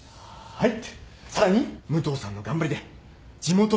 はい。